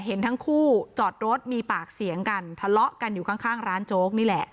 เห็นทั้งคู่จอดรถมีปากเสียงกันทะเลาะกันอยู่ข้างร้านโจ๊กนี่แหละ